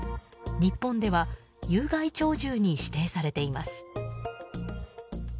日本では有害鳥獣に指定されています。